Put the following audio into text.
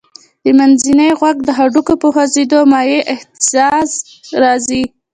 د منځني غوږ د هډوکو په خوځېدو مایع اهتزاز راځي.